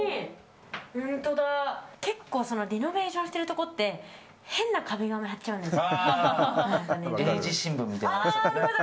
結構、リノベーションをしてるところって変な壁紙張っちゃうんですよ。